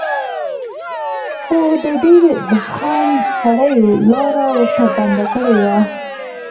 خو د دیر د خان سړیو لاره ورته بنده کړې وه.